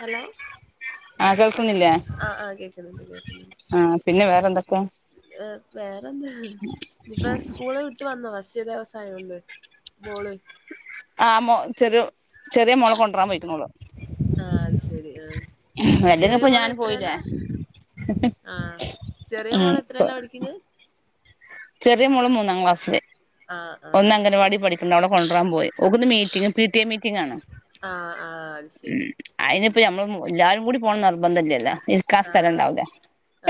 Hello ആഹ് കേൾക്കുന്നില്ലെ? ആഹ് ആഹ് കേക്ക്ന്ന്ണ്ട് കേക്ക്ന്ന്ണ്ട്. ആഹ് പിന്നെ വെറെ എന്തൊക്കെ ഏഹ് വെറെ എന്താ ഇഞ്ഞിപ്പാ സ്കൂൾ വി ട്ടു വന്നു ഫസ്റ്റ് ദെവസായോണ്ട് മോൾ ആഹ് മോ ചെറോ ചെറെ മോളെ കൊണ്ട്രാന് പോയിക്ക്ണ് ഓൾ. ആഹ് അത് ശെരി ആഹ് അല്ലെങ്കി ചെറെ ഇപ്പൊ മോൾ ഞാൻ പോയില്ലേ എത്രേലാ? ആഹ് ചെറെ ഉം മോൾ എത്രെലാ പഠിക്കിന്നെ ചെറെ മോൾ മൂന്നാം ക്ലാസിൽ ആഹ് ഒന്ന് ആഹ് ശരി അംഗൻവാടി പഠിക്ക് ഇണ്ട് അവളെ കൊണ്ട്രാ പോയി ഓക്ക് ഇന്ന് meeting P T I meeting ആണ്. ആഹ് ആഹ് അത് ശരി ഉം അയിൻ ഉം ഇപ്പം ഞമ്മെൾ മു എല്ലാരും കൂടി പോണം നിർബന്ധം ഇല്ലല്ലോ ഇരിക്കാ സ്ഥലം ആഹ് ഇണ്ടാവുലാ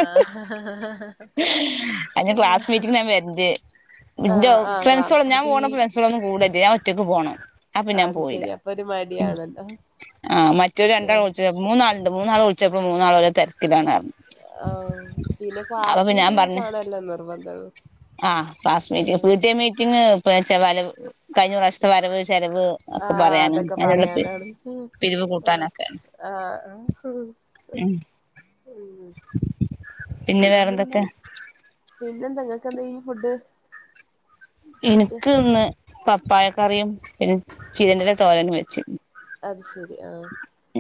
ആഹ് ആഹ് മീറ്റിംങ്ന് ഞാൻ വെര്ന്റ് ഇന്റെ ഔ ആഹ് ഫ്രണ്ട്സാൾ ഒന്നും ക്ലാസ് ഞാ ഈ പോണെ ഫ്രണ്ട്സാൾ ഒന്നും പോണ് ഇല്ലെയ് ഞാൻ ഒറ്റക്ക് പോണം അപ്പ ആ, ഞാ അത് ശെരി അപ്പ ഒര് മടിയാണല്ലോ ആഹ് മറ്റോൽ രണ്ടാളും വുൾച്ചോക്കി അപ്പ മൂന്നാൾ ഇണ്ട് മൂന്നാളെ വുൾച്ചപ്പളും മൂന്നാളും ഓരോ തെര്ക്ക്ലാണ് പർണു. ആവൂ പിന്നെ ക്ലാസ് ഞാൻ മീറ്റിങ്ങ് ഒക്കെ പറഞ്ഞു ആണല്ലോ നിർബന്ധം ഒള്ളു ആഹ് class meeting P T A meeting ഇപ്പെച്ചാ വരവ് കഴിഞ്ഞ പ്രാവ്ശ്യത്തെ വരവ് ചെലവ് ഒക്കെ ആഹ് പറയാനും അതൊക്കെ അതിനുള്ള പറയാനാണ്. ഉം പിരിവ് ഉം കൂട്ടാനൊക്കെയാണ് ആഹ് ഉം ഉം പിന്നെ വെറെ എന്തൊക്കെ പിന്നെ എന്താ ഇങ്ങെക്ക് എന്തെയ്നി ഫുഡ് ഉച്ചക്ക് എനിക്ക് ഇന്ന് പപ്പായക്കറിയും പിന്നെ ചീരന്റെ എല തോരനും വെച്ച് അത് ശെരി ആഹ്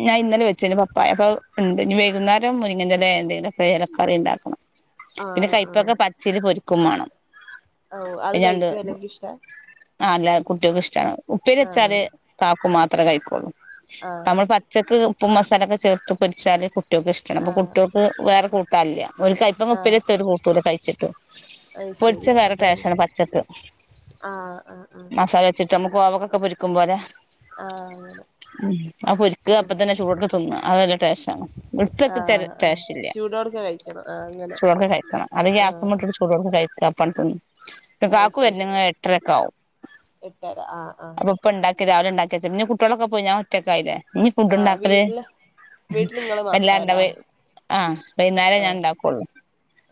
ഞാ ഇന്നലെ വെച്ചിനി പപ്പായ അപ്പ അയ് ഇണ്ട് ഇഞ്ഞ് വൈകുന്നേരം മുരിങ്ങന്റെ എലെ എന്തെലൊക്കെ എലക്കറി ഇണ്ടാക്കണം. പിന്നെ ആഹ് ആഹ് കയ്പ്പക്ക പച്ചീൽ പൊര്ക്കും മാണം. ഔ അത് പിന്നണ്ട് കഴിക്കും എല്ലാർക്കും ഇഷ്ടാ ആഹ് അല്ലാ കുട്ടിയാക്കും ഇഷ്ടാണ് അയ്. ഉപ്പേരി വെച്ചാല് ആഹ് കാക്കു മാത്രാ കഴിക്കൊള്ളു. ആഹ് നമ്മെൾ പച്ചെക്ക് ഉപ്പും മസാലൊക്കെ ചേർത്ത് പൊരിച്ചാല് കുട്ടിയാക്കും ഇഷ്ടാണ് അപ്പ ആഹ് കുട്ടിയോ ക്ക് വെറെ കൂട്ടാൻ ഇല്ല ഓൽക്ക് ക പ്പങ്ങ ഉപ്പെരി ആഹ് വെച്ചാ ഓൽ കൂട്ടുലാ കഴ്ച്ച്ട്ട് അത് ശരി പൊരിച്ചാ വെറെ അപ്പൊ ടെസ്റ്റാണ് പച്ചെക്ക് ആഹ് ആഹ് ആഹ് ച്ച്ട്ട് അമ്മെക്ക് കോവക്കൊക്കെ പൊരിക്കും പോലെ ആഹ് അങ്ങനെ ആഹ് പൊരിക്കാ അപ്പ ഉം തെന്നെ ചൂടൊട്ക്കെ തിന്നാ അത് നല്ല ടെസ്റ്റാ ഇട്ത്ത് വെപ്പിച്ചാ ആഹ് ആഹ് ടെസ്റ്റ് ഇല്ലാ ചൂടോട്ക്കെ കഴിക്കണം ആഹ് അങ്ങനെ ചൂടൊട്ക്കെ കഴിക്കെണം അല്ലെങ്കി ആഹ് ഗ്യാസ്മെട്ട് ആഹ് ചൂ ചൂടൊട്ക്കെ കഴിക്കാ അപ്പാണ്ട് തിന്ന ഇന്റെ അത് കാക്കു ശരി വെര്ണെങ്കി എട്ടര ഒക്കെ ആവും എട്ടര ആഹ് ആഹ് അപ്പം ഇപ്പം ഇണ്ടാക്കെ രാവിലെ ഇണ്ടാക്കി വെച്ച്ണ് ഇഞ്ഞ് കുട്ടിയാളൊക്കെ പോയി ഞാൻ ഒറ്റെക്ക് ആയിലെ ഇഞ്ഞ് ഫുഡ് ആഹ് ഇണ്ടാക്കെൽ വീട്ടില് വീട്ടില് ഇങ്ങള് വെല്ലാണ്ടെ മാത്രാല്ലേ വെെ ആഹ് വൈന്നാരെ ഞാ ആഹ് ഇണ്ടാക്കൊള്ളു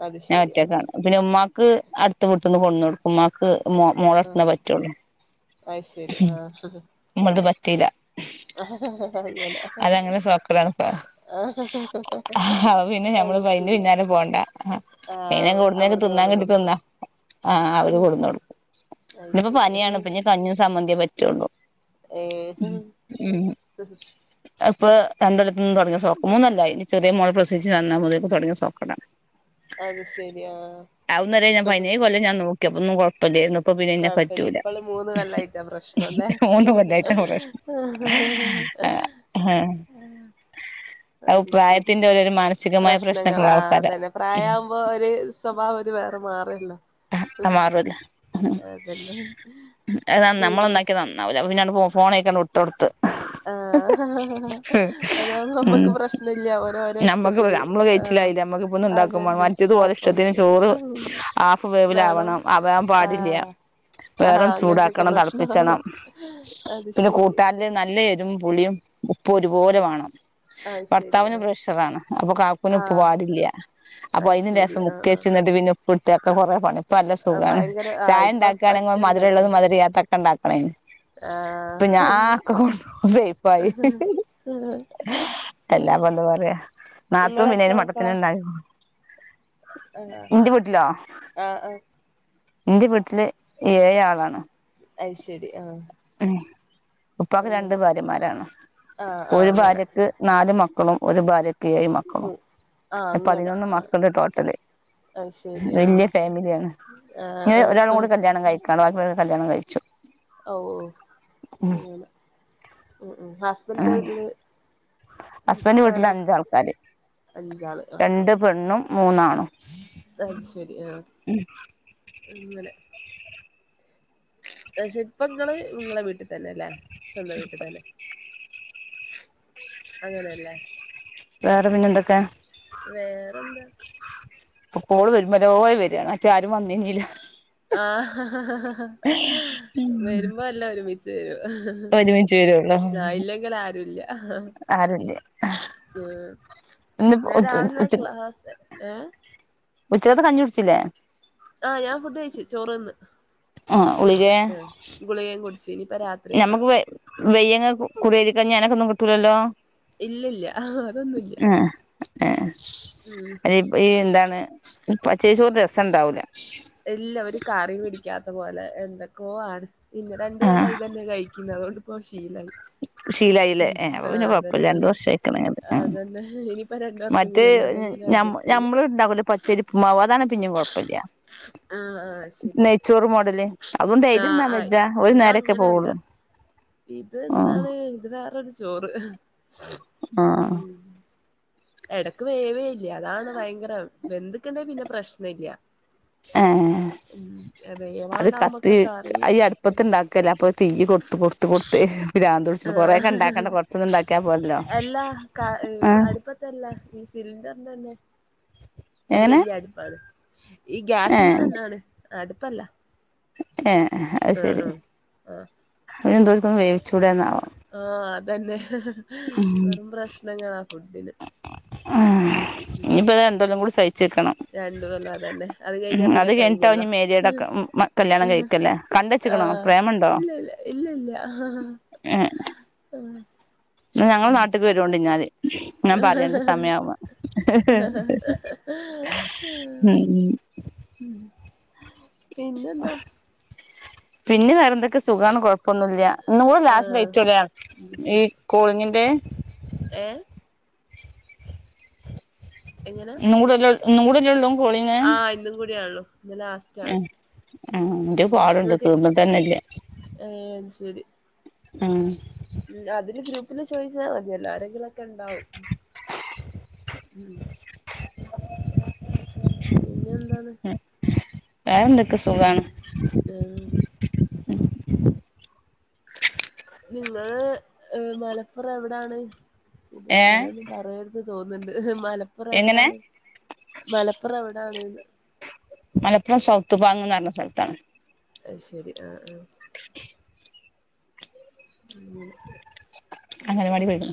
അത് ശരിയാ കുട്ടിയാക്ക് അങ്ങനെ പിന്നെ ഉമ്മാക്ക് അട്ത്ത വീട്ട്ന്ന് കൊട്ന്നൊട് ഉമ്മാക്ക് മോ മോളെ ആഹ് അട്ത്ത്ന്നാ പറ്റൊള്ളു അത് ശരി ആഹ് ഇമ്മെൾത് പറ്റീലാ. അങ്ങനെ അത് അങ്ങനെ ഒര സോഹ്ക്കെടാണ് ഇപ്പോ ആഹ് അഹ് പിന്നെ ഞമ്മെൾ അത് ഇപ്പ അയിന്റെ ശരി പിന്നാലെ പോണ്ടാ അയിന ആഹ് ങ്ങള് എവിടെന്നെങ്കി അവിടുന്ന് തിന്നാൻ കൊണ്ട് കിട്ടി തിന്നാ കൊടുക്കുന്നു ആഹ അവര് ഉം കൊടുന്നോടുക്കും. അത് ശരി ആ കഞ്ഞിം സമ്മന്തിയേ പറ്റുള്ളു. ഏ ഹു ഹ് ഹ് അത് ഇപ്പോ രണ്ടൊല്ലത്തിന്‌ തൊടങ്ങിയ സൊഖ മൂന്നല്ലായി ചെറിയ മോള് പ്രസവിച്ച് വന്നത് മുതൽ തുടങ്ങിയ സോഖക്കേടാ. അത് ശരിയാ ആ ഹ ഹ ഇക്കൊല്ലം ഞാൻ നോ കൊഴപ്പില്ല ഇപ്പള് മൂന്ന് കൊല്ലായിട്ടാ പ്രശ്നല്ലേ മൂന്ന് ഹ ഹ കൊല്ലായിട്ടാണ് ഹ ഹാ ഹ ഹ ഹ ഹാ ഹേ അത് പ്രായത്തിന്റെ ഓരോരോ മാനസികമായ പ്രശ്നൊക്കെ ഉള്ള ആൾക്കാര ഹും പ്പോ ഒര് സ്വഭാവം ഒരു വേറെ മാറിയല്ലോ. ഹ മാറുല്ലോ ഹ് ഹ് അത നമ്മള് പിന്നെ നന്നാക്കിയാ ' [unintelligible] 'പിന്നാണ്ട് ഫോണ വൈക്കണ്ട് വിട്ട് കൊടുത്ത്. ആഹ് അതാവുമ്പോ ഉം നമ്മക്ക് പ്രശ്നല്ല്യ ഓര് ഓരെ ഇഷ്ടത്തിന് ആഹ്. ഒന്ന്ണ്ടാക്കും മ അതന്നെ മറ്റത് ഓലെ ഇഷ്ടത്തിന് കൊഴപ്പൊന്നുല്ല ചോറ് ആഫ് വേവ് വേണം വിലാവണം, ആവാൻ പാടില്ല. ആഹ് ആഹ് വേറം അങ്ങനത്തൊക്കെ ചൂടാക്കണം പ്രശ്നാ തിളപ്പിച്ചണം അത് പിന്നെ. ശരി കൂട്ടാന് നല്ല എരും പുളിം ഉപ്പും ഒരുപോലെ വാണം. അത് ശരി ഭർത്താവിന് ആഹ് പ്രഷറാണ് അപ്പോ കാക്കുന് ഉപ്പ് ആഹ് പാടില്ല. അപ്പൊ അത് അതിന് ശരി രേസം ആഹ് ആഹ് മുക്കേച്ചിന്നിട്ട് പിന്ന ഉപ്പ് ട്ട് കൊറെ പണിയ. പ്പ നല്ല ആഹ് സുഖാണ്, ഭയങ്കര ആഹ് ചായ ഇപ്പൊ ഒറ്റ ഉണ്ടാക്കാണെങ്കിൽ ഉണ്ടാക്കിയ മധുരള്ളതും മതി മധുരല്ലാത്തതും ക്ക ഉണ്ടാക്കണം നി പിന്നെ ആ കുറച്ചു ഹി ഹി ആഹ് എല്ലാപ്പൊ എന്താ പറയാ ഇങ്ങള് നാത്തുൻ പിന്നെ അയിന് മട്ടത്തിനന്നെ അതാ ആഹ് ആഹ് എന്റെ വീട്ടില് ഏഴ് ആളാണ്. അയ്ശരി ആഹ്. ഉം ഉപ്പാക്ക് രണ്ട് അങ്ങനെ ഭാര്യമാരാണ്. ആഹ് ആഹ് ഒരു അങ്ങനെ ഭാര്യക്ക് നാല് മക്കളും ഒരു ഭാര്യക്ക് ഏഴ് മൂ മക്കളും, ആഹ് അങ്ങനെ പതിനൊന്ന് ആഹ് മക്കള് ടോട്ടല്. അത് ശരി വലിയ ആഹ് ഫാമിലിയാണ്. ഞ്ഞ് ആഹ് ഒരാളും കൂടി ആഹ് കല്യാണം കഴിക്കാണ്ട് ബാക്കി ഉള്ളോര് കല്യാണം കഴിച്ചു. ഓ ഓ അങ്ങനെ ഉം ഉം ഹസ്ബൻഡിന്റെ വീട്ടില് ഹസ്ബൻഡ് വീട്ടില് ആരാ അഞ്ചാൾക്കാര്, അഞ്ചാള് ആഹ് രണ്ട് പെണ്ണും മൂന്ന് ആണും. അത് ശരി ആഹ് അങ്ങനെ പക്ഷേ ഇപ്പങ്ങള് നിങ്ങളെ വീട്ടിൽ തന്നെ അല്ലേ സ്വന്തം വീട്ടിൽ തന്നെ. അങ്ങനെല്ലേ. വേറെ പിന്നെ എന്തൊക്കെ? വേറെന്താ? ഓള് വരുമ്പോലോലെ വരാണ് മറ്റത് ആരും വന്നില്ലങ്കിലോ. ആ ഹ ഹ ഹ വരുമ്പോ എല്ലും ഒരുമിച്ച്. ച്ച് വരും ഒരുമിച്ച് വരുള്ളൂ ഞാ ഇല്ലെങ്കിൽ ആരുല്ല്യ. ആരുല്ല അ ഇന്ന് ഞാൻ ഉച്ച രാവിലെ ആ ക്ലാസ് ഏ ഉച്ചകത്തെ കഞ്ഞി കുടിച്ചിലേ? ആഹ് ഞാൻ ഫുഡ് കഴിച്ച് ചോറ് തിന്ന്. ആ ഗുളികേ ആഹ് ഗുളികയും കുടിച്ചിനി. ഞമ്മക്ക് വയ് വയ്യങ്കി കുറിയരി കഞ്ഞി അങ്ങനൊന്നും കിട്ടൂലല്ലോ. ഇല്ല ഇല്ല അതൊന്നും ഇല്ല ആ ഏ ഉം. അല്ല ഈ എന്താണ് പച്ചേരി ചോർ രസണ്ടാവൂല. ഇല്ല ഒരു കറി പിടിക്കാത്ത പോലെ എന്തൊക്കൊ ആണ്. പിന്നെ രണ്ട് ആ കൊല്ലായി ഇതന്നെ കഴി ക്കന്ന കൊണ്ട് ഇപ്പോ ശീലായി. ശീലായില്ലേ ഉം അപ്പോ ആഹ് പിന്നെ അതന്നെ കൊഴപ്പല്യ രണ്ട് ശീലം വർഷായിക്ക്ണേത് അതന്നെ ഇനിയിപ്പ രണ്ട് വർഷം മറ്റേ കൂടിയല്ലേ അതങ്ങനെ ഞമ്മ അഡ്ജസ്റ്റ് ചെയ്യാ ഞമ്മളുണ്ടാക്കൂലേ പച്ചരിഉപ്പുമാവ് അതാണ് പിന്നേം കൊഴപ്പല്ല്യ. ആഹ് ആഹ് ശരി നെയ്ച്ചോറ് മോഡല് അതും ആഹ് ആഹ് ഡെയ്ലിതിന്നാൻപറ്റില്ലാ ഒരു നേരമൊക്കെ ഇതങ്ങനല്ല പോവുള്ളു ഇത് എന്താണ് ഇതുവേറൊരു ചോറ് ആഹ് ഉം എടക്ക് വേവയില്ല അതാണ് ഭയങ്കരം വെന്തിട്ടുണ്ടേൽ പിന്നേം പ്രശ്നമില്ല ആ അത് കത്തി വേവാണ്ടാവുമ്പൊക്കെ കറി ഈ അടുപ്പത്തിണ്ടാ ക്കല്ലാ അപ്പൊ തീ കൊടുത്ത് കൊടുത്ത് കൊടുത്ത് പ്രാന്ത് പിടിച്ചു കൊറേക്കെ ആഹ് ഉണ്ടാക്കണ്ടു കൊറച്ചൊന്നും ഒണ്ടാക്കിയാ പോരല്ലോ ആ ഇതല്ല ഈ സിലിണ്ടറിന്റെ തന്നെ ഒരു എങ്ങനെ വലൃ അടുപ്പാണ് ഈ ഏഹ് ഗ്യാസിന്റെതന്നാണ് അടുപ്പല്ല ഏ അത് ആഹ് ശെരി ആഹ് ആഹ് പിന്നെ എന്തോരിക്കൊന്ന് വേവിച്ചുടാർന്നോ ആ അതന്നെ വെറും പ്രശ്നങ്ങളാ ഫുഡിന് ആ ഉം ഇനിയിപ്പത് രണ്ടുകൊല്ലം കൂടി സഹിച്ചുനിക്കണം രണ്ടു കൊല്ലം അതന്നെ അത് കഴിഞ്ഞാ അത് പിന്നെ കഴിഞ്ഞിട്ടാവാം കഴിഞ്ഞല്ലോ നി മേരിടൊക്കെ മാ കല്യാണം കഴിക്കല്ലേ കണ്ടുച്ചക്കണോ ആഹ് പ്രേമുണ്ടോ ഹാ ഞങ്ങളുടെ നാട്ടുക്ക് വരുവൊണ്ടി ഞ്ഞാതി ഞാൻ പറയൊണ്ട് സമയാകുമ്പോ ഉം ഉം എന്തുണ്ട് പിന്നെ വേറെ എന്തൊക്കെ സുഖാണ് കൊഴപ്പൊന്നുല്ലൃ ഇന്നും കൂടെ ലാസ്റ്റ് ആഹ് ഡേറ്റൊലൃ ഈ കോളിങ്ങിൻ്റെ ഏ ഇന്നുകൂടെല്ലേ ഇന്നും കൂടെല്ലേയുള്ളൂ ആ ഇന്നും കൂടിയേയുള്ളു ഇന്ന് ലാസ്റ്റാണ് ആ എൻറ്റെ ഉം പാടൊണ്ട് ഇങ്ങക്ക് തീർന്നട്ടു തന്നെയില്ല ഏഹ് അത് ശരി ആ ഉം അതില് ഗ്രൂപ്പില് ചോയിച്ചാ മതിയല്ലോ ആരെങ്കിലുമൊക്കെയുണ്ടാവും ഉം [inaudible] പിന്നെയെന്താണ് വേറെന്തൊക്കെ സുഖാണ് ആഹ് നിങ്ങള് മലപ്പുറം എവിടെയാണ് ശ്ത് ഏഹ് സ്ഥലം ഒന്നും പറയരുത് ക്ക് തോന്നുന്നുണ്ട് മലപ്പുറം എങ്ങനെ എവിടാണ് മലപ്പുറം എവിടെയാണെന്ന് ! ! ! ! ! ! ! ! ! ! അയ്ശെരി ആ ആ [inaudible] [unintelligible] അംഗനവാടി കഴിഞ്ഞു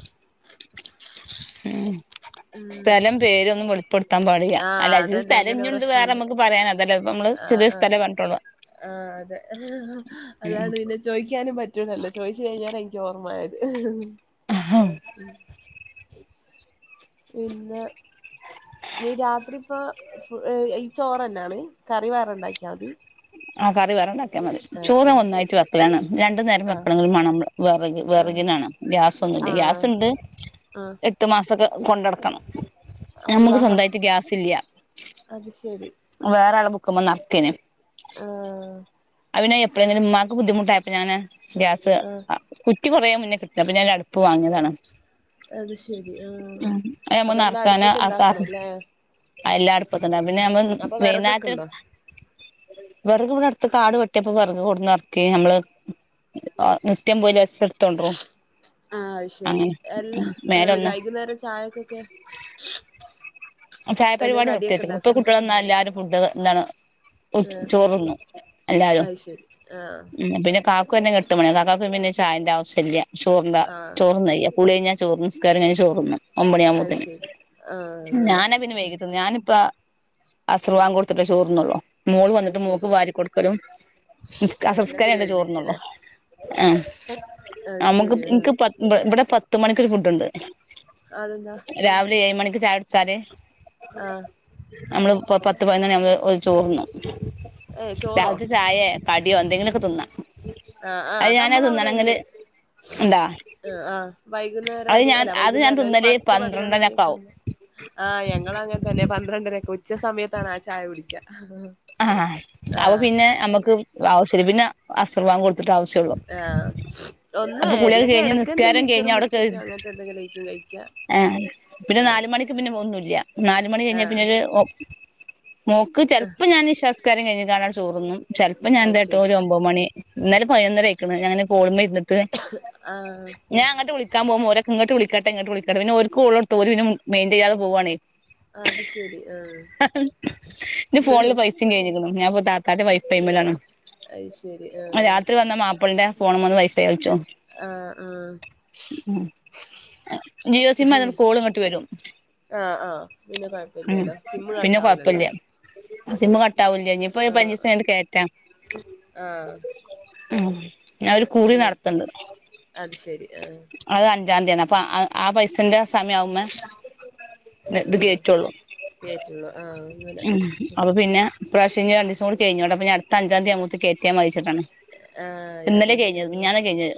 ഉം ആഹ് സ്ഥലം പേരൊന്നും വളിപ്പെടുത്താൻ പാടില്ല ആഹ് അല്ല ഇത് അതന്നെ സ്ഥലം അങ്ങനെ ഇനിയൊണ്ട് വേറെ പ്രശ്നണ്ട് നമുക്ക് പറയാനാ വല്ല ഇപ്പമ്മള് ചെറിയ സ്ഥലേ പറഞ്ഞിട്ടൊള്ളൂ ആ അതെ അതാണുപിന്നെ ചോയിക്കാനും പറ്റൂലല്ലോ ചോയിച്ചുകഴിഞ്ഞാണ് എനിക്ക് ഓർമ്മയായത് പിന്നെ നീ രാത്രിപ്പോ ഫു ഏ ഇ ചോറ് തന്നാണ് കറിവേറൊണ്ടാക്കിയാ മതി ആ കറി വേറൊണ്ടാക്കിയാമതി ആഹ് ചോറ് ആഹ് ഒന്നായിട്ടുവെക്കലാണ് രണ്ടുനേരം വെക്കണമെങ്കും മണം വെറക് ആഹ് വെറകിനാണ് ഗ്യാസ് ആഹ് ഒന്നൂല്ല ആഹ് ഗ്യാസൊണ്ട് ആഹ് - പത്ത് മാസമൊക്കെ കൊണ്ട നടക്കണം നമുക്ക് സ്വന്തമായിട്ട് ഗ്യാസ് ഇല്ല. അത്ശെരി. വേറെ ആള് ബുക്ക്മ്മെ നറക്കേന് ആഹ് അത് പിന്നെ എപ്പഴെങ്കിലും ഉമ്മാക്ക് ബുദ്ധിമുട്ടായപ്പോ ഞാന് ഗ്യാസ് ആഹ് അ കുറ്റി കുറേ മുന്നെ കിട്ട അപ്പൊ ഞാൻ അടുപ്പ് വാങ്ങിയതാണ്. അത് ശരി ആ ഉം അത് അപ്പ എല്ലാം അടുപ്പത്ത് ഇണ്ടാക്കണം ല്ലേ? എല്ലാം അടിപ്പത്തിണ്ടകും പിന്നെ നമ്മൾ വിറകൊക്കെ വൈകുന്നാട്ട ഉണ്ടോ വെറക് ഇവിടെ അടുപ്പ കാട് വെട്ടിയപ്പോ വിറക് കൊടുന്ന് എർക്കി നമ്മള് നിത്യം പോല ആഹ് അയ്ശരി എല്ല ഒരു മേലൊന്ന് വൈകുന്നേരം ചായക്കൊക്കെ? [unintelligible] എന്തേ ചായപരിപാടി കടിയൊക്കെ നിർത്തെച്ച് ഇപ്പ ഉണ്ടാക്കോ കുട്ടികളന്ന എല്ലാവരും ഫുഡ് എന്താണ് ആഹ് ചോറുന്നും എല്ലാരും അത് ശരി ആഹ് ഉം പിന്നെ കാപ്പി ഇക്കും പിന്നെ എട്ട് മണ്യാ കാക്കാക്കും പിന്നെ ചായന്റെ ആവശ്യല്ല ആഹ് ചോറ്ന്നാ ചെയ്യാ കുളി കഴിഞ്ഞാൽ- ചോറ് നസ്കാരം കഴിഞ്ഞാ ചോറിന്നും അത് ഒമ്പതുണിയാവുമ്പത്തിന് ശരി ആഹ് അങ്ങനെ ഞാൻ [unintelligible] ഞാനിപ്പ അസറ്ബാങ്ക് കൊടുത്തിട്ടേ ചോറിന്നുള്ളൂ മോള് വന്നിട്ട് അത് മോക്ക് ശരി വാരി കൊട്ക്കലും- അസ്റ് എല്ലാം നിസ്‌കാരം കൂടി കഴിഞ്ഞട്ടാ ചോറിന്നുള്ളു ഒരുമിച്ചല്ലേ ആഹ് അത് നമുക്ക് ശരി ആഹ് ഇൻക്ക് പ ഇവ്ടെ പത്ത് മണിക്കുരു ഫുഡുണ്ട്- അതെന്താ? രാവിലെ ഏഴ് മണിക്ക് ചായുടിച്ചാല്- ആഹ് നമ്മള് പത്ത് പയിനന്ന്മണി ആവുമ്പൊ ഓല് ചോറ്ന്നു ഏഹ് ചോറോ രാവിൽത്തെ ചായെ കടിയോ എന്തെങ്കിലൊക്കെ തിന്നാ ആഹ് ആഹ് അത് നമ്മള അവിടെ ഞാനാതിന്നണെങ്കില് ഉണ്ട് ഇണ്ടാ- ആഹ് ആഹ് വൈകുന്നേരം ഒരു അല്ല ഞാൻ വൈകുന്നേരല്ല ഒരു തിന്നല് പത്ത് പതിനൊന്ന് പന്ത്രണ്ടരൊക്കെ മണിയൊക്കെ ആവും ആവുമ്പോ ആഹ് ഞങ്ങൾ അങ്ങൻതന്നെ പന്ത്രണ്ടരക്ക് ഉച്ച സമയത്താണ് ആ ചായ കുടിക്ക അ-അ- ആഹ് അപ്പൊ ആഹ് പിന്നെ നമക്ക് ആവശ്യല്ല പിന്നെ അസ്ർഭാങ്ക് കൊടുത്തട്ടാ ആവശ്യുള്ളു. ആഹ് ഒന്ന് എല്ലെങ്കി കഴിഞ്ഞ് ഇടക്ക എന്തെ നിസ്കാരം കഴിഞ്ഞ് മിച്ചറും അവിടെ കേ ബിസ്കറ്റും അങ്ങനത്തെ എന്തെങ്കിലേർക്കും കഴിക്കാ- ഏഹ് പിന്നെ ആഹ് നാല് മണിക്ക് പിന്നെ ഒന്നുല്ല നാല് മണി കഴിഞ്ഞാൽ പിന്നെ ആഹ് ഒരു ഒ മോക്ക് ചെൽപ്പോ ഞാൻ ഇഷാനിസ്കാരം കഴിഞ്ഞ്കാണ്ടങ്ങണ്ട് ചോറന്നും ചെൽപ്പൊ ഞാൻ അത് എന്ത് കാട്ടും ശരി ഒരു ഒൻമ്പത് മണി ഇന്നലെ പതിനൊന്നര ആയക്കണ് ഞാന് കോള്മ്മെ ഇര്ന്നട്ട് ആഹ്- ഞാ അങ്ങട്ട് വിളിക്കാൻ പോവ്‌മ്പോ ഓരൊക്കെ ഇങ്ങട്ട് വിളിക്കട്ടെങ്ങട്ട് വിളിക്കട്ടെ പിന്നോർക്ക് കോള്ട്ടും ഒര് പിന്നെ മെയിന്റിയ്യാതെ പോവാണേ അത് ശരി ൻ്റെ ഫോണില് ആഹ് പൈസ സേം കഴിഞ്ഞക്കുണു ഞാന്പ്പൊ താത്താൻ്റെ വൈഫൈമ്മലാണ് അത് ശരി ആഹ് രാത്രി വന്ന മാപ്പൾന്റെ ഫോണ് മ്മന്ന് വൈഫൈ വലിച്ചും നോക്കി- ആഹ് ആഹ് ജിയോ സിം ആയതോണ്ട് കോള് ഇങ്ങട്ട് വരും- ആഹ് ആഹ് പിന്നെ ഉം കുഴപ്പില്ലല്ലോ സിമ്മ് പിന്നെ കട്ട് ആവുലല്ലോ? കൊഴപ്പല്ല സിമ്മ് കട്ടാവുല്ല ഇനിപ്പൊ പഞ്ചീസം ആഹ് കയ്ഞ്ഞ്ട്ട് കേറ്റാം ആഹ് ഉം ഞാ ഒരു കുറി ഉം നടത്ത്ണ്ട് അത് ശരി ആഹ് അത് അഞ്ചാം തിയാണ് അപ്പ ആ പൈസന്റെ സമയം ആവുമ്മെ ഇത് ആഹ് കേറ്റുള്ളു കേറ്റുള്ളൂ ആഹ് അങ്ങനെ അപ്പൊ പിന്നെ ഇപ്രാവശ്യം ഇങ്ങനെ ഡിസ്വല്ട്ടി കഴിഞ്ഞോട്ടെ അപ്പഞ്ഞി അടുത്ത അഞ്ചാന്തി ആകുമ്പേത്തിന് കേറ്റ്യാമതിച്ചിട്ടാണ്. ആഹ് ശരി. ആഹ് കഴിഞ്ഞത്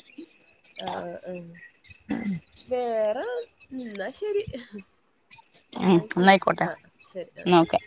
ആഹ് അഹ് വേറെ ന്നാ ശെരി. ഉം ഇന്നാ ന്നായിക്കോട്ടെ ആയിക്കോട്ടെ ആഹ് ശരിന്നാ ഇന്നാ ഓക്കെ